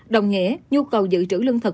đồng nghĩa nhu cầu giữ trữ lương thực